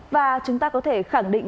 và chúng ta có thể khẳng định